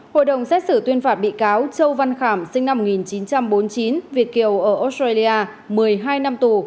hội đồng xét xử tuyên phạt bị cáo châu văn khảm sinh năm một nghìn chín trăm bốn mươi chín việt kiều ở australia một mươi hai năm tù